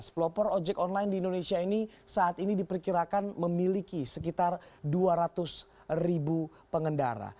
pelopor ojek online di indonesia ini saat ini diperkirakan memiliki sekitar dua ratus ribu pengendara